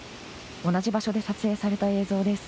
同じ場所で撮影された映像です。